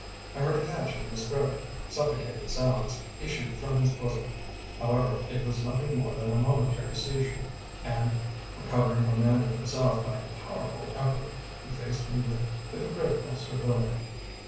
I heard a catch in his throat; suffocated sounds issued from his bosom; however, it was nothing more than a momentary seizure, and, recovering command of himself by a powerful effort, he faced me with hypocritical servility.